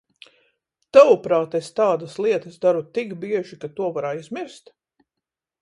Tavuprāt, es tādas lietas daru tik bieži, ka to var aizmirst?